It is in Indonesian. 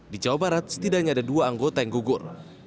di jawa barat setidaknya ada dua anggota yang gugur